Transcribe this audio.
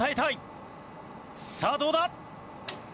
さあどうだ？